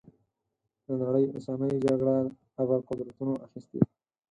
د نړۍ اوسنۍ جګړې ابرقدرتونو اخیستي.